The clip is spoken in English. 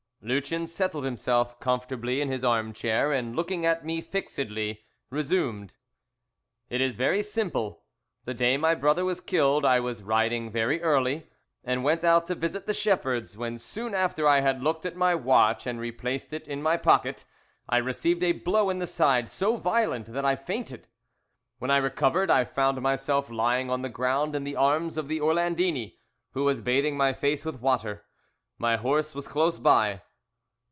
LUCIEN settled himself comfortably in his arm chair and looking at me fixedly, resumed: "It is very simple. The day my brother was killed I was riding very early, and went out to visit the shepherds, when soon after I had looked at my watch and replaced it in my pocket, I received a blow in the side, so violent that I fainted. When I recovered I found myself lying on the ground in the arms of the Orlandini, who was bathing my face with water. My horse was close by.